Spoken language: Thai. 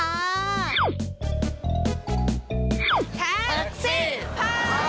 แท็กซี่พาวชิม